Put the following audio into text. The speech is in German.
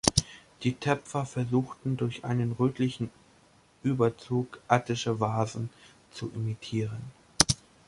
Die Töpfer versuchten durch einen rötlichen Überzug attische Vasen zu imitieren.